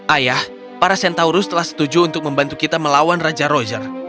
ayah para centaurus telah setuju untuk membantu kita melawan raja roger